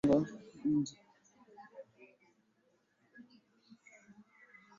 Mji Mkongwe umekuwa ukilindwa kama eneo la hifadhi chini ya Sheria ya Mipango Mji